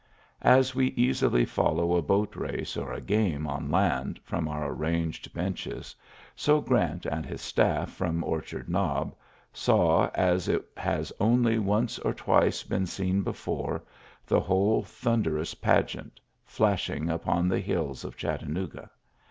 As we easily follow a boat race or a game on land from our arranged' benches, so Grant and his staff from Orchard Knob saw, as it has only once or twice been seen before, the whole thunderous pageant, flashing upon the hills of Chattanooga.